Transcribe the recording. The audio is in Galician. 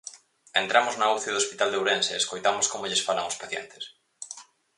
Entramos na UCI do hospital de Ourense e escoitamos como lles falan aos pacientes.